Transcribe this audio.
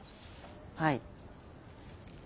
はい。